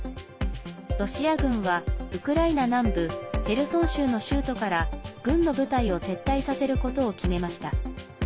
ロシア軍は、ウクライナ南部ヘルソン州の州都から軍の部隊を撤退させることを決めました。